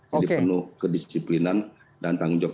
jadi penuh kedisiplinan dan tanggung jawab